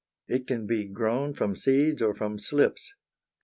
It can be grown from seeds or from slips.